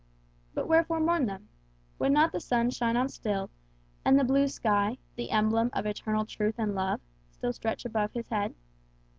But wherefore mourn them? Would not the sun shine on still, and the blue sky, the emblem of eternal truth and love, still stretch above his head?